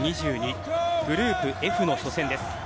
グループＦの初戦です。